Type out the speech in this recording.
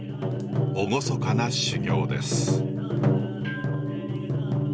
厳かな修行です。